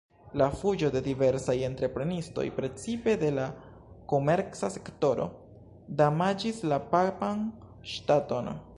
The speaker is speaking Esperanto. La fuĝo de diversaj entreprenistoj, precipe de la komerca sektoro, damaĝis la papan ŝtaton.